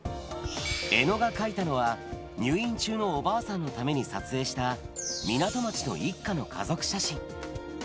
江野が描いたのは入院中のおばあさんのために撮影した港町の一家の家族写真。